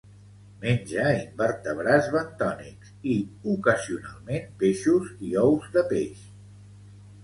Menja invertebrats bentònics i, ocasionalment, peixos i ous de peix.